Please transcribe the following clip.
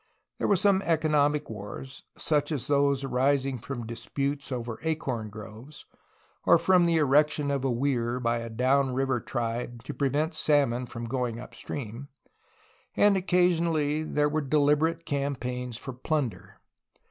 There were some eco nomic wars, such as those arising from disputes over acorn groves, or from the erection of a weir by a down river tribe to prevent salmon from going up stream, and occasionally there were deliberate campaigns for plunder.